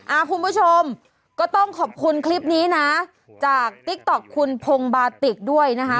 คุณผู้ชมก็ต้องขอบคุณคลิปนี้นะจากติ๊กต๊อกคุณพงบาติกด้วยนะคะ